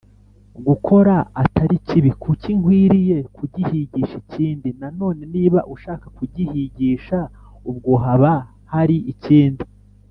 Gukora atari kibi kuki nkwiriye kugihisha ikindi nanone niba ushaka kugihisha ubwo haba hari ikindi